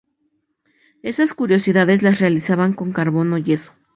Estas curiosidades artísticas las realizaba con carbón o yeso.